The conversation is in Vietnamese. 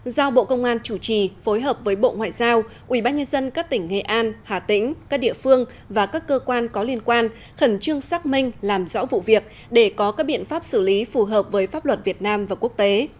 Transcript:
giao bộ công an chủ trì phối hợp với bộ ngoại giao ubnd các tỉnh nghệ an hà tĩnh các địa phương và các cơ quan có liên quan khẩn trương xác minh làm rõ vụ việc để có các biện pháp xử lý phù hợp với pháp luật việt nam và quốc tế